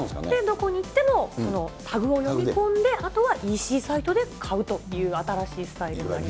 どこに行っても、タグを読み込んで、あとはイーシーサイトで買うという新しいスタイルになります。